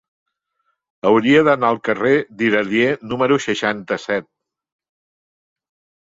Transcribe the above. Hauria d'anar al carrer d'Iradier número seixanta-set.